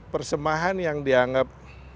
persemahan yang dianggap